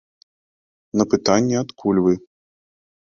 На пытанне адкуль вы?